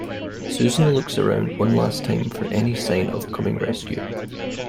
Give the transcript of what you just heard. Susan looks around one last time for any sign of coming rescue.